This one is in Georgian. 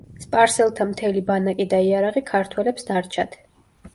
სპარსელთა მთელი ბანაკი და იარაღი ქართველებს დარჩათ.